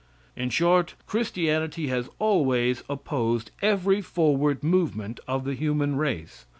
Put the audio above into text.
In short, Christianity has always opposed every forward movement of the human race.